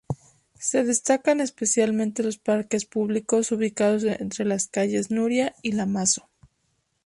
Se destacan especialmente los parques públicos ubicados entre las calles Nuria y La Masó.